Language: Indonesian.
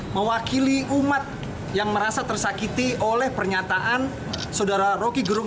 mewakili umat yang merasa tersakiti oleh pernyataan saudara rocky gerung